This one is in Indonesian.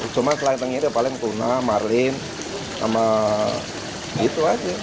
cuma selain tenggiri paling puna marlin sama gitu aja